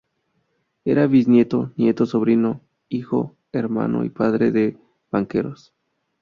Era bisnieto, nieto, sobrino, hijo, hermano y padre de banqueros.